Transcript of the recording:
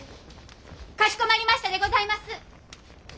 かしこまりましたでございます！